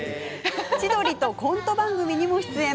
千鳥とコント番組にも出演。